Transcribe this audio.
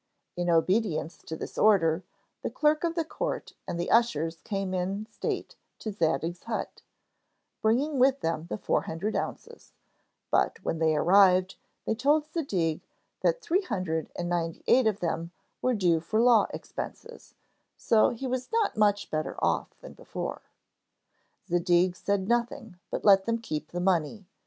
In obedience to this order, the clerk of the court and the ushers came in state to Zadig's hut, bringing with them the four hundred ounces; but, when they arrived, they told Zadig that three hundred and ninety eight of them were due for law expenses, so he was not much better off than before. Zadig said nothing, but let them keep the money.